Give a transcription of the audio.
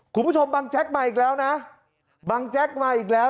บางแจ๊กมาอีกแล้วนะบังแจ๊กมาอีกแล้ว